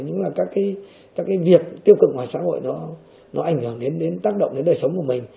những là các cái việc tiêu cực ngoài xã hội nó ảnh hưởng đến tác động đến đời sống của mình